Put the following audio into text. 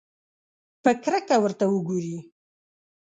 په کرکه ورته وګوري.